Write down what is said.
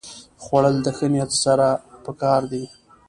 خوړل د ښه نیت سره پکار دي